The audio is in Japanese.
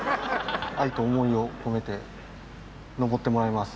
愛と思いをこめて登ってもらいます。